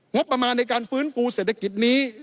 งบประมาณในการฟื้นฟูเศรษฐกิจนี้